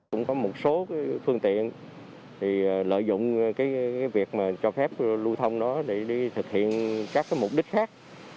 cũng có một số phương tiện lợi dụng việc cho phép lưu thông đó để thực hiện các mục đích khác